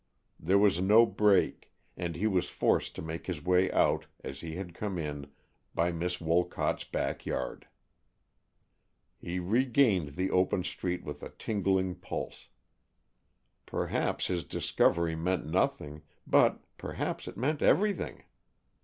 There was no break, and he was forced to make his way out, as he had come in, by Miss Wolcott's back yard. He regained the open street with a tingling pulse. Perhaps his discovery meant nothing, but perhaps it meant everything.